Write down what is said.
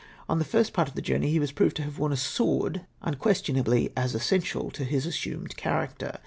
On the first part of the journey he was proved to have worn a sword, un questionably as essential to his assumed character.